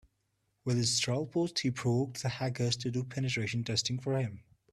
With his troll post he provoked the hackers to do penetration testing for him.